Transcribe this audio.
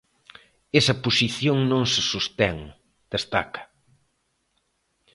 Esa posición non se sostén, destaca.